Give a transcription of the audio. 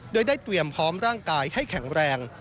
โดยได้เตรียมพร้อมร่างกายให้แข็งแรง